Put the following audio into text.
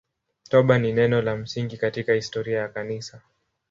Toba ni neno la msingi katika historia ya Kanisa.